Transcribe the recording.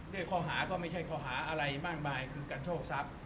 ด้วยข้อหาก็ไม่ใช่ข้อหาอะไรมากมายคือการโชคทรัพย์